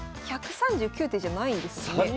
１３９手じゃないんですね。